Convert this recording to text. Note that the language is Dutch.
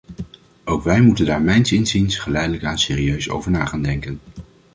Ook wij moeten daar mijns inziens geleidelijk aan serieus over na gaan denken.